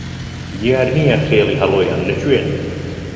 دیار نییە خێڵی هەڵۆیان لە کوێن